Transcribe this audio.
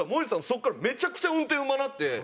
そこからめちゃくちゃ運転うまなって。